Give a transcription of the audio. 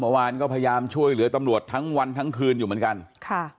เมื่อวานก็พยายามช่วยเหลือตำรวจทั้งวันทั้งคืนอยู่เหมือนกันค่ะ